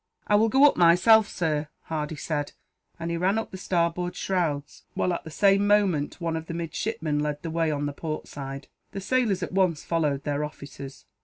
"I will go up, myself, sir," Hardy said; and he ran up the starboard shrouds while, at the same moment, one of the midshipmen led the way on the port side. The sailors at once followed their officers.